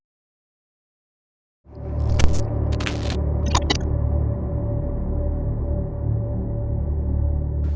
เข้าทางใช้บ๊วย